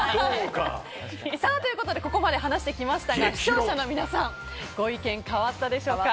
ということでここまで話してきましたが視聴者の皆さんご意見、変わったでしょうか。